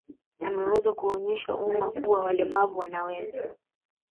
Ameweza kuuonyesha umma kuwa walemavu wanaweza